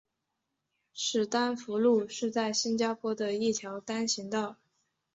史丹福路是在新加坡的一条单行道。